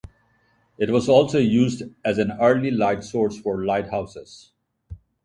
It was also used as an early light source for lighthouses.